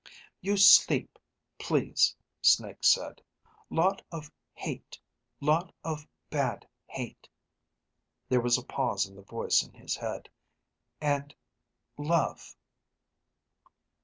You ... sleep ... please, Snake said. Lot ... of ... hate ... lot ... of ... bad ... hate ... There was a pause in the voice in his head ... _and ... love